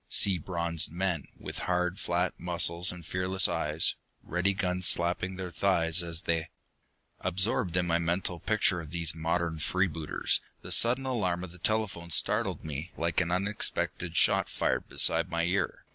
Sea bronzed men, with hard, flat muscles and fearless eyes; ready guns slapping their thighs as they Absorbed in my mental picture of these modern free booters, the sudden alarm of the telephone startled me like an unexpected shot fired beside my ear.